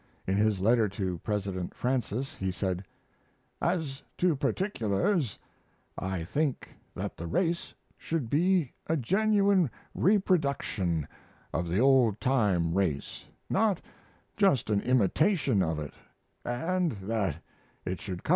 In his letter to President Francis he said: As to particulars, I think that the race should be a genuine reproduction of the old time race, not just an imitation of it, and that it should cover the whole course.